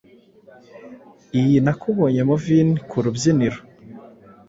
I Nakubonye movin 'kurubyiniro